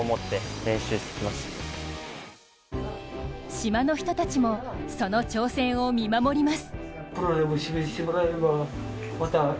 島の人たちもその挑戦を見守ります。